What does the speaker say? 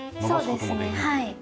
そうですねはい。